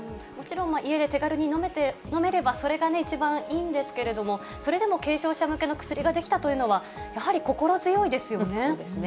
もちろん、家で手軽に飲めれば、それが一番いいんですけれども、それでも軽症者向けの薬が出来たというのは、やはり心強いですよね。